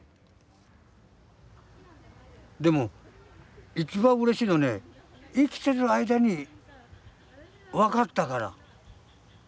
でも一番うれしいのはね生きてる間に分かったから。